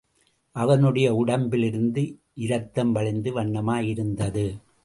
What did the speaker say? அவனுடைய உடம்பிலிருந்து இரத்தம் வழிந்த வண்ணமாயிருந்தது.